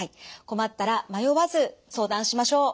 困ったら迷わず相談しましょう。